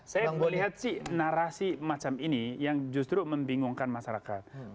saya mau lihat sih narasi macam ini yang justru membingungkan masyarakat